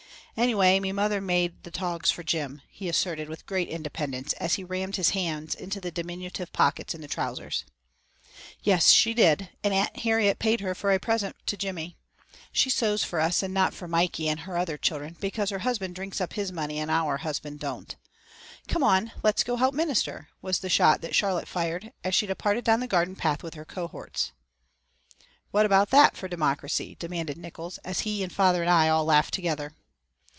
"Anyway, me mother made the togs fer Jim," he asserted with great independence, as he rammed his hands into the diminutive pockets in the trousers. "Yes, she did, and Auntie Harriet paid her for a present to Jimmy. She sews for us and not for Mikey and her other children, because her husband drinks up his money and our husband don't. Come on, let's go help Minister!" was the shot that Charlotte fired, as she departed down the garden path with her cohorts. "What about that for democracy?" demanded Nickols, as he and father and I all laughed together.